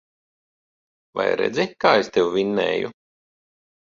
Vai redzi, kā es tevi vinnēju.